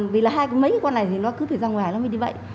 vì là hai mấy con này thì nó cứ phải ra ngoài nó mới đi bệnh